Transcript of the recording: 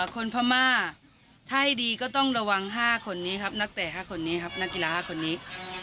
พม่าถ้าให้ดีก็ต้องระวัง๕คนนี้ครับนักเตะ๕คนนี้ครับนักกีฬา๕คนนี้